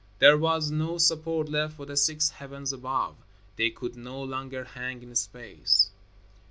There was no support left for the six heavens above. They could no longer hang in space.